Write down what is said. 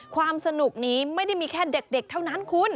ความสนุกนี้ไม่ได้มีแค่เด็กเท่านั้นคุณ